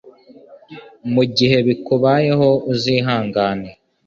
mu gihe bikubayeho uzihangane